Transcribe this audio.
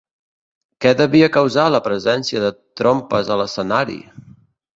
Què devia causar la presència de trompes a l'escenari?